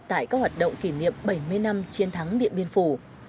tại các hoạt động kỷ niệm bảy mươi năm chiến thắng điện biên phủ